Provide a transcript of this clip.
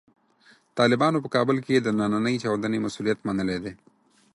طالبانو په کابل کې د نننۍ چاودنې مسوولیت منلی دی.